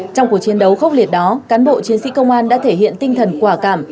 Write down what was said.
trong cuộc chiến đấu khốc liệt đó cán bộ chiến sĩ công an đã thể hiện tinh thần quả cảm